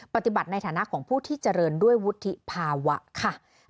ปฏิบัติในฐานะของผู้ที่เจริญด้วยวุฒิภาวะค่ะ